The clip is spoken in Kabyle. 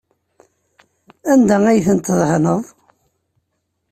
Anda ay tent-tdehneḍ?